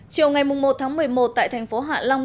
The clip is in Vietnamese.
chiều ngày một một mươi một tại thành phố hạ long tỉnh quảng bình